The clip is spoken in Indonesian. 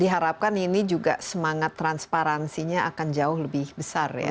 diharapkan ini juga semangat transparansinya akan jauh lebih besar ya